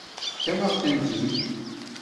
Tefkam-aɣ-tent-id.